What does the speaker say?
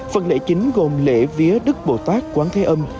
phần lễ chính gồm lễ vía đức bồ tát quán thế âm